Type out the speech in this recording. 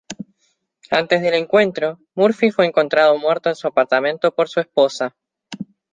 Antes del encuentro, Murphy fue encontrado muerto en su apartamento por su esposa.